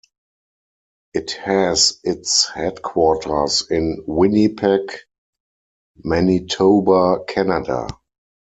It has its headquarters in Winnipeg, Manitoba, Canada.